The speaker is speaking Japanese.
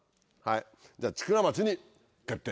じゃあ千倉町に決定。